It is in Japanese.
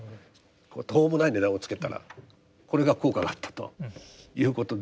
途方もない値段をつけたらこれが効果があったということで。